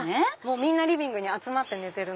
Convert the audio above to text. みんなリビングに集まって寝てる。